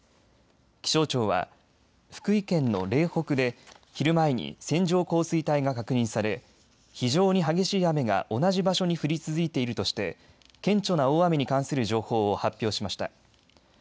気象庁は福井県の嶺北で昼前に線状降水帯が確認され、非常に激しい雨が同じ場所に降り続いているとして顕著な大雨に関する情報を発表しました。